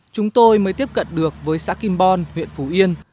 chúng tôi mới tiếp cận được với xã kim bon huyện phú yên